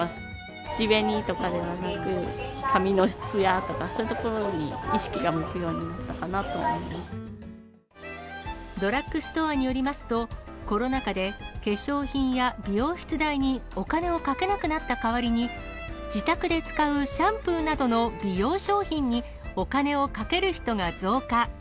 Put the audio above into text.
口紅とかではなく、髪の質やとか、そういうところに意識が向くようになったかなと思ドラッグストアによりますと、コロナ禍で化粧品や美容室代にお金をかけなくなった代わりに、自宅で使うシャンプーなどの美容商品に、お金をかける人が増加。